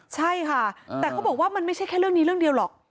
ใช่ค่ะแต่เขาบอกว่ามันไม่ใช่แค่เรื่องนี้เรื่องเดียวหรอก